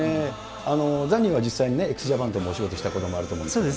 ザニーは実際ね、ＸＪＡＰＡＮとお仕事したこともあると思うんですけれども。